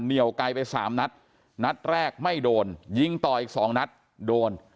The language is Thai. เหนียวไกลไปสามนัดนัดแรกไม่โดนยิงต่ออีกสองนัดโดน